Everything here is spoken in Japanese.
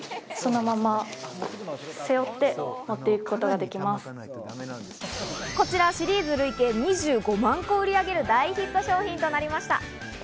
例えば。こちらシリーズ累計２５万個を売り上げる大ヒット商品となりました。